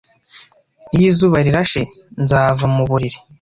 Iyo izuba rirashe, nzava mu buriri.